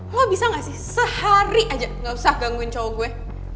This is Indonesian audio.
lo bisa gak sih sehari aja gak usah gangguin cowok gue